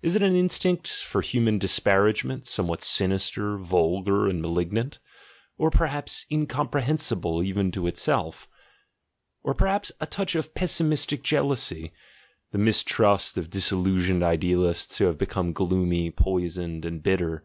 Is it an instinct for human disparagement somewhat sinister, vulgar, and malignant, or perhaps in i THE GEXEALOGY OF MORALS comprehensible even to itself? or perhaps a touch of pessimistic jealousy, the mistrust of disillusioned idealists 3 have become gloomy, poisoned, and bitter?